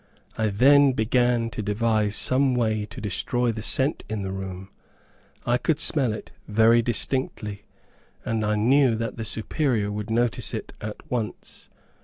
I then began to devise some way to destroy the scent in the room. I could smell it very distinctly, and I knew that the Superior would notice it at once.